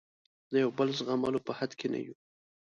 د یو بل زغملو په حد کې نه یو.